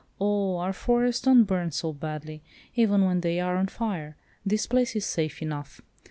"Oh! our forests don't burn so badly, even when they are on fire; this place is safe enough.